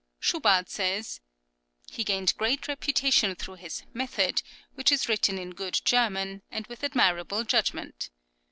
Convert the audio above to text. Schubart says,[10022] "He gained great reputation through his 'Method,' which is written in good German, and with admirable judgment.